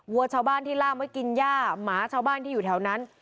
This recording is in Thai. วัวชาวบ้านที่ล่ามไว้กินย่าหมาชาวบ้านที่อยู่แถวนั้น